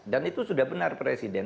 dan itu sudah benar presiden